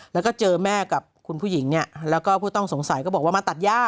แล้วก็เจอแม่กับคุณผู้หญิงเนี่ยแล้วก็ผู้ต้องสงสัยก็บอกว่ามาตัดย่า